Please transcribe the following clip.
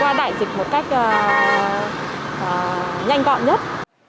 qua đại dịch một cách nhanh gọn nhất